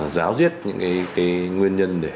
giáo riết những nguyên nhân